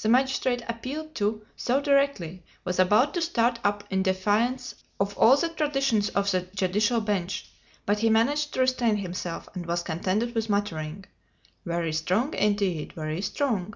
The magistrate, appealed to so directly, was about to start up in defiance of all the traditions of the judicial bench, but he managed to restrain himself, and was contented with muttering: "Very strong, indeed; very strong!"